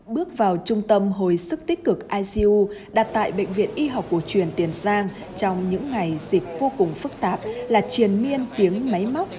bước vào trung tâm hồi sức tích cực icu đặt tại bệnh viện y học cổ truyền tiền giang trong những ngày dịch vô cùng phức tạp là triền miên tiếng máy móc